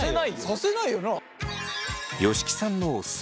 させないよな。